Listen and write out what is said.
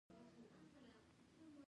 سویلي ختیځ ته یې لویه صحرا موقعیت لري.